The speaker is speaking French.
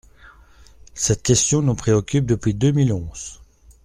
Cette question nous préoccupe depuis deux mille onze.